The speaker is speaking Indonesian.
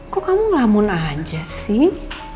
kok kamu lamun aja sih